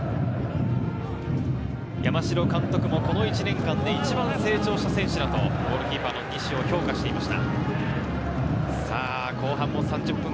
山城監督もこの１年間で一番成長した選手だと、ゴールキーパーの西を評価していました。